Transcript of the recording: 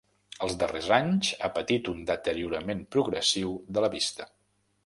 Els darrers anys ha patit un deteriorament progressiu de la vista.